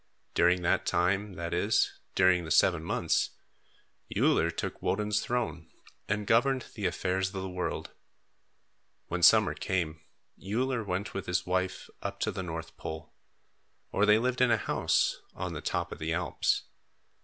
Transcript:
During that time, that is, during seven months, Uller took Woden's throne and governed the affairs of the world. When summer came, Uller went with his wife up to the North Pole; or they lived in a house, on the top of the Alps.